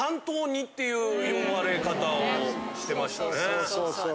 そうそうそう。